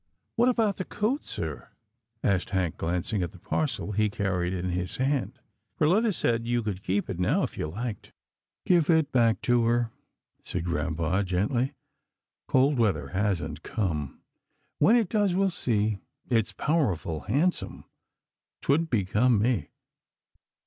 " What about the coat, sir? " asked Hank glanc ing at the parcel he carried in his hand. " Perletta said you could keep it now if you liked.'' " Give it back to her," said grampa, gently, " cold weather hasn't come. When it does, we'll see. It's powerful handsome. 'Twould become me."